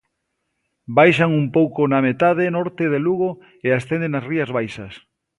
Baixan un pouco na metade norte de Lugo e ascenden nas Rías Baixas.